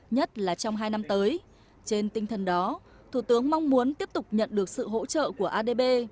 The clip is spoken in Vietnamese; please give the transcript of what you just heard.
nhất là trong hai năm tới trên tinh thần đó thủ tướng mong muốn tiếp tục nhận được sự hỗ trợ của adb